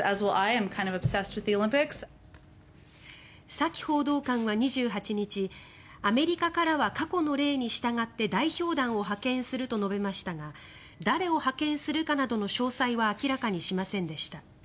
サキ報道官は２８日アメリカからは過去の例に従って代表団を派遣すると述べましたが誰を派遣するかなどの詳細は明らかにしませんでした。